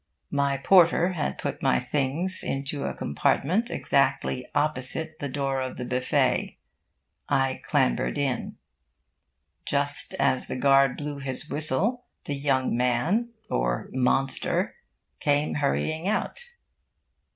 My porter had put my things into a compartment exactly opposite the door of the Buffet. I clambered in. Just as the guard blew his whistle, the young man or monster came hurrying out.